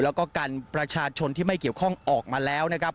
แล้วก็กันประชาชนที่ไม่เกี่ยวข้องออกมาแล้วนะครับ